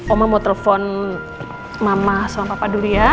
oma mau telepon mama sama papa dulu ya